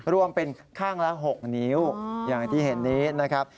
รวมเป็นข้างละ๖นิ้วอย่างที่เห็นนี้นะครับ